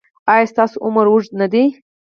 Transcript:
ایا ستاسو عمر اوږد نه دی؟